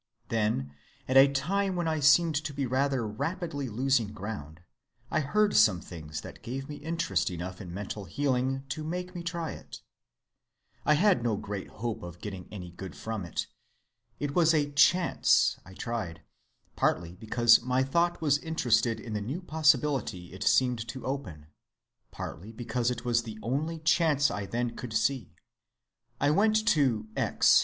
Then, at a time when I seemed to be rather rapidly losing ground, I heard some things that gave me interest enough in mental healing to make me try it; I had no great hope of getting any good from it—it was a chance I tried, partly because my thought was interested by the new possibility it seemed to open, partly because it was the only chance I then could see. I went to X.